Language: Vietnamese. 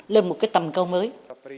lên một tầm cao mới